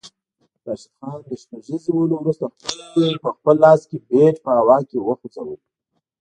راشد خان له شپږیزې وهلو وروسته پخپل لاس کې بیټ په هوا کې وخوځاوه